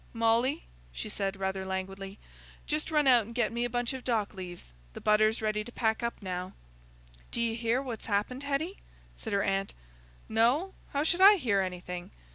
"Molly," she said, rather languidly, "just run out and get me a bunch of dock leaves: the butter's ready to pack up now." "D' you hear what's happened, Hetty?" said her aunt. "No; how should I hear anything?"